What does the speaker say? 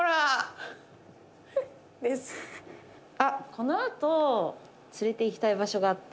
このあと連れて行きたい場所があって。